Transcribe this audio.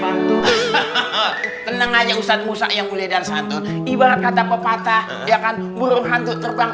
waktu tenang aja ustadz musa yang boleh dan santun ibarat kata pepatah ya kan buruh hantu terbang